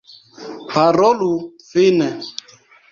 Parolu fine!